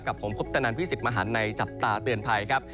กับผมคุปตนันพี่สิทธิ์มหันในจับตาเตือนภัยครับ